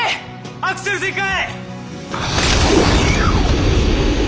アクセル全開！